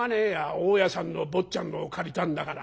大家さんの坊ちゃんのを借りたんだから。